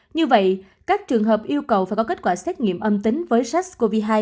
như vậy các trường hợp yêu cầu phải có kết quả xét nghiệm âm tính với sars cov hai